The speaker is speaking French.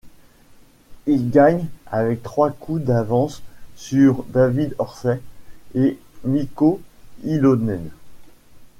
Il gagne avec trois coups d'avance sur David Horsey et Mikko Ilonen.